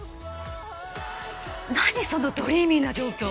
何そのドリーミーな状況